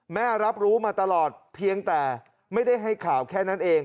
รับรู้มาตลอดเพียงแต่ไม่ได้ให้ข่าวแค่นั้นเอง